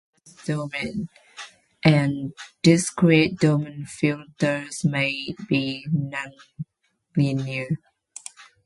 Both continuous-domain and discrete-domain filters may be nonlinear.